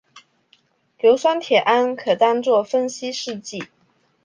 硫酸铁铵可当作分析试剂。